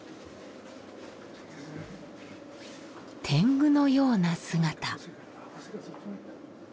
天狗のような姿。